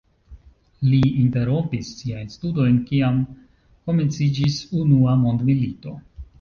Li interrompis siajn studojn kiam komenciĝis Unua mondmilito.